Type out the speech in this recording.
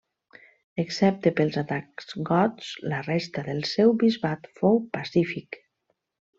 Excepte pels atacs gots la resta del seu bisbat fou pacífic.